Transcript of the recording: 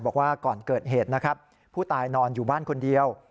บอกว่าก่อนเกิดเหตุนะครับผู้ตายนอนอยู่บ้านคนเดียว